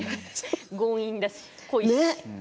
強引だし濃いし。